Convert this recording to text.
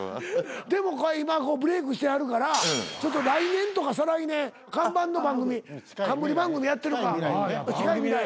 でも今ブレークしてはるから来年とか再来年看板の番組冠番組やってるか近い未来。